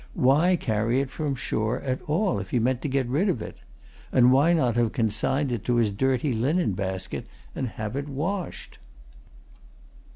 Why carry it from the shore at all, if he meant to get rid of it? And why not have consigned it to his dirty linen basket and have it washed?